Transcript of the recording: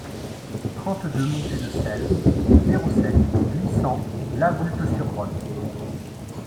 trente-deux montée de Celles, zéro sept, huit cents La Voulte-sur-Rhône